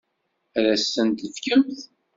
Ad as-tent-tefkemt?